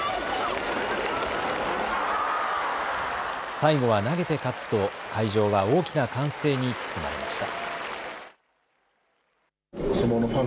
最後は投げて勝つと会場は大きな歓声に包まれました。